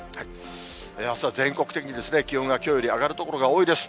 あすは全国的に気温がきょうより上がる所が多いです。